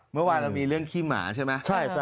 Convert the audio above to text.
เมื่อวานเรามีเรื่องขี้หมาใช่ไหม